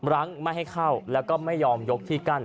รั้งไม่ให้เข้าแล้วก็ไม่ยอมยกที่กั้น